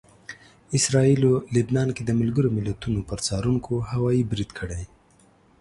اسراییلو لبنان کې د ملګرو ملتونو پر څارونکو هوايي برید کړی